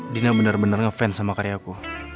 dina bener bener ngefans sama karyaku